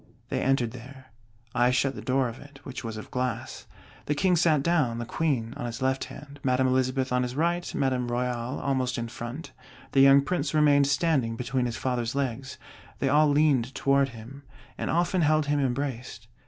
They entered there; I shut the door of it, which was of glass. The King sat down, the Queen on his left hand, Madame Elizabeth on his right, Madame Royale almost in front; the young Prince remained standing between his Father's legs. They all leaned toward him, and often held him embraced.